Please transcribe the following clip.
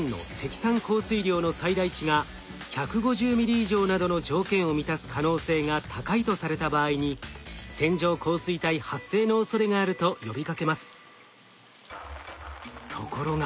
降水量の最大値が１５０ミリ以上などの条件を満たす可能性が高いとされた場合に「線状降水帯発生の恐れがある」と呼びかけます。